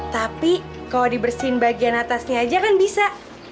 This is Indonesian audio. tapi kalau dibersihin bagian atasnya aja kan bisa